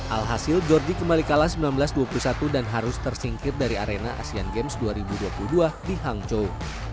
alhasil georgie kembali kalah sembilan belas dua puluh satu dan harus tersingkir dari arena asean games dua ribu dua puluh dua di hangzhou